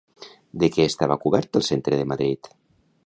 De què estava cobert el centre de Madrid?